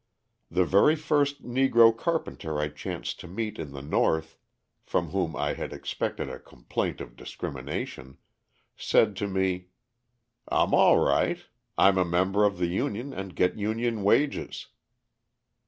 The very first Negro carpenter I chanced to meet in the North (from whom I had expected a complaint of discrimination) said to me: "I'm all right. I'm a member of the union and get union wages."